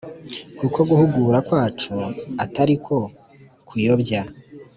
Kuko guhugura kwacu atari uko kuyobya